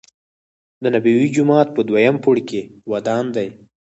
دنبوی جومات په دویم پوړ کې ودان دی.